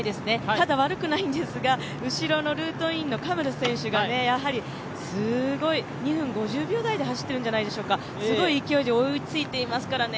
ただ、悪くはないんですがカムル選手がすごい２分５０秒台で走っているんじゃないでしょうかすごい勢いで追いついていますからね。